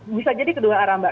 bisa jadi kedua arah mbak